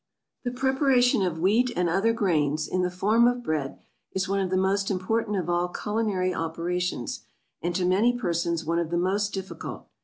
The preparation of wheat and other grains, in the form of bread, is one of the most important of all culinary operations, and to many persons one of the most difficult.